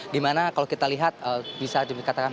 dimana kalau kita lihat bisa dikatakan